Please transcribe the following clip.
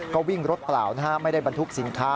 ก็วิ่งรถเปล่านะฮะไม่ได้บรรทุกสินค้า